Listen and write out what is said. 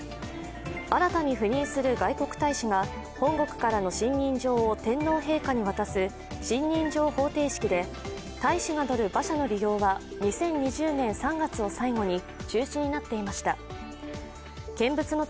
新たに赴任する外国大使が本国からの信任状を天皇陛下に渡す信任状捧呈式で大使が乗る馬車の利用は２０２０年３月を最後に中止になっていました。